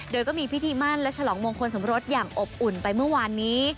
โดยก็มีพิธีมั่นและฉลองมงคลสมรสอย่างอบอุ่นไปเมื่อวานนี้